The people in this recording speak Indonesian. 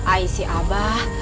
aih si abah